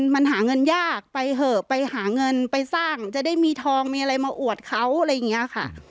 มันหาเงินยากไปเถอะไปหาเงินไปสร้างจะได้มีทองมีอะไรมาอวดเขาอะไรอย่างนี้ค่ะ